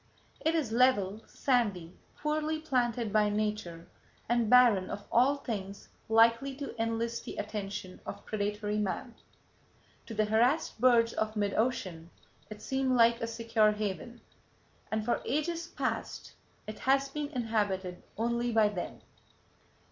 It is level, sandy, poorly planted by nature, and barren of all things likely to enlist the attention of predatory man. To the harassed birds of mid ocean, it seemed like a secure haven, and for ages past it has been inhabited only by them.